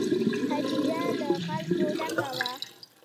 هدیره له خلکو ډکه وه.